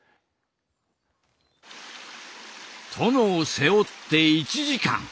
殿を背負って１時間。